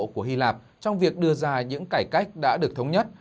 của hy lạp trong việc đưa ra những cải cách đã được thống nhất